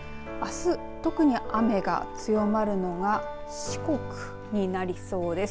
特に雨が強まるのが四国になりそうです。